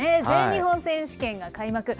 全日本選手権が開幕。